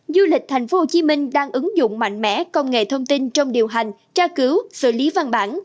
du lịch tp hcm đang ứng dụng mạnh mẽ công nghệ thông tin trong điều hành tra cứu xử lý văn bản